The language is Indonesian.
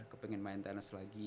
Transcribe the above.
kepingin main tenis lagi